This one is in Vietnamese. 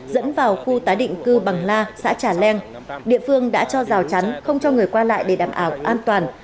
dẫn vào khu tái định cư bằng la xã trà leng địa phương đã cho rào chắn không cho người qua lại để đảm bảo an toàn